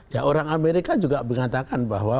ya orang amerika juga mengatakan bahwa